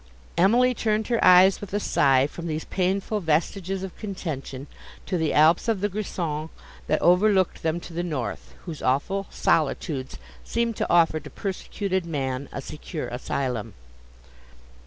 Emily turned her eyes with a sigh from these painful vestiges of contention, to the Alps of the Grison, that overlooked them to the north, whose awful solitudes seemed to offer to persecuted man a secure asylum.